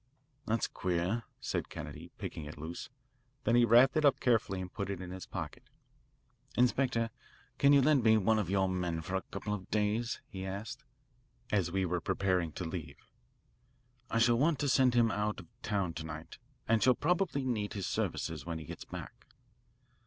"That's queer," said Kennedy, picking it loose. Then he wrapped it up carefully and put it in his pocket. "Inspector, can you lend me one of your men for a couple of days?" he asked, as we were preparing to leave. "I shall want to send him out of town to night, and shall probably need his services when he gets back."